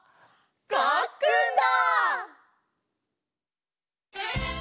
かっくんだ！